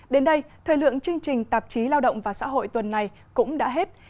đến đây thời lượng chương trình tạp chí lao động và xã hội tuần này cũng đã hết